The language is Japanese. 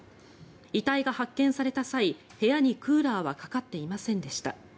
遺体が発見された際部屋にクーラーはかかっていませんでした。